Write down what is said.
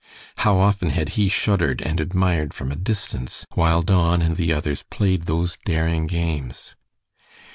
How often had he shuddered and admired from a distance, while Don and the others played those daring games!